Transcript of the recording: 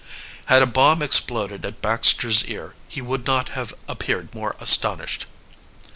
Had a bomb exploded at Baxter's ear he would not have appeared more astonished.